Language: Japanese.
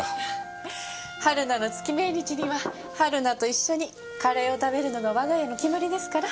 春菜の月命日には春菜と一緒にカレーを食べるのが我が家の決まりですから。